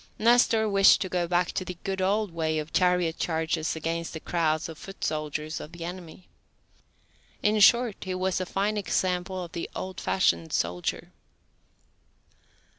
Nestor wished to go back to the good old way of chariot charges against the crowds of foot soldiers of the enemy. In short, he was a fine example of the old fashioned soldier.